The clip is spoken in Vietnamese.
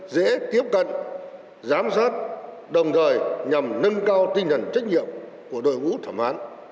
dễ tiếp cận giám sát đồng thời nhằm nâng cao tinh thần trách nhiệm của đội vũ thẩm án